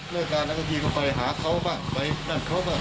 เรื่องการนั้นบางทีก็ไปหาเขาบ้างไปนั่นเขาบ้าง